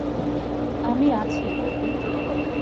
আমি আছি বউদি।